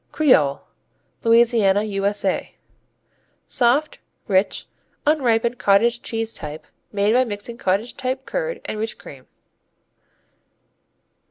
Creole Louisiana, U.S.A. Soft, rich, unripened cottage cheese type, made by mixing cottage type curd and rich cream.